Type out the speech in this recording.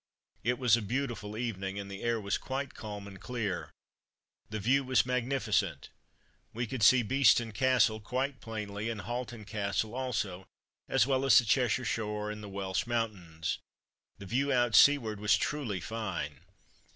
It was a beautiful evening, and the air was quite calm and clear. The view was magnificent. We could see Beeston Castle quite plainly, and Halton Castle also, as well as the Cheshire shore and the Welsh mountains. The view out seaward was truly fine.